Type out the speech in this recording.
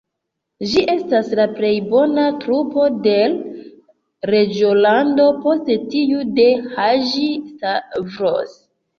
Ĝi estas la plej bona trupo de l' reĝolando, post tiu de Haĝi-Stavros.